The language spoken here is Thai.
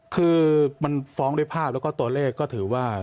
คือมันฟ้องด้วยภาพแล้วก็ตัวเลขก็ถือว่า